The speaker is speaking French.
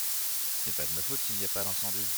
Ce n’est pas ma faute s’il n’y a pas d’incendie !